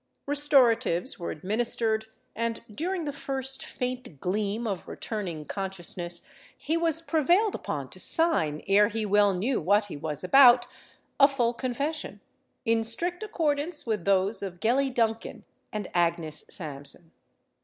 Restoratives were administered; and during the first faint gleam of returning consciousness, he was prevailed upon to sign, ere he well knew what he was about, a full confession, in strict accordance with those of Gellie Duncan and Agnes Sampson.